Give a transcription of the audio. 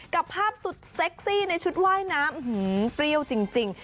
กับภาพสุดเซ็กซี่ในชุดว่ายน้ำเปรี้ยวจริง